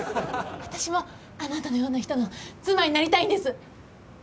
私もあなたのような人の妻になりたいんです！